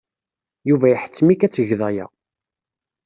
Yuba iḥettem-ik ad tgeḍ aya.